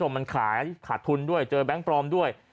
มันขายขาดทุนด้วยเจอแบงค์ปลอมด้วย